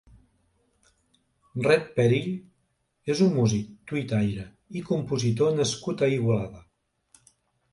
Red Pèrill és un músic, tuitaire i compositor nascut a Igualada.